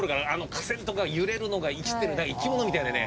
架線とかが揺れるのが生きてる生き物みたいでね